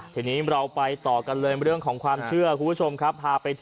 ทีนี้เราไปต่อกันเลยเรื่องของความเชื่อคุณผู้ชมครับพาไปที่